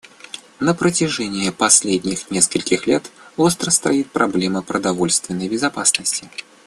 На протяжении последних нескольких лет остро стоит проблема продовольственной безопасности.